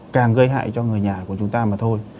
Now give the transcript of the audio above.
càng gây hại cho người nhà của chúng ta mà thôi